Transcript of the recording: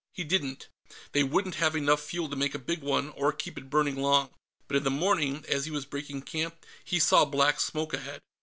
He didn't. They wouldn't have enough fuel to make a big one, or keep it burning long. But in the morning, as he was breaking camp, he saw black smoke ahead.